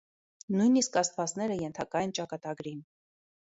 Նույնիսկ աստվածները ենթակա են ճակատագրին։